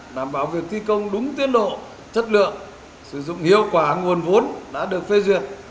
đảm bảo việc thi công đúng tiến độ chất lượng sử dụng hiệu quả nguồn vốn đã được phê duyệt